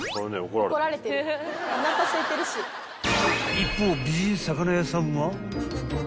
［一方美人魚屋さんは？］